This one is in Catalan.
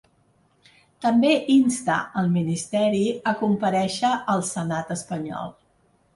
També insta el ministeri a comparèixer al senat espanyol.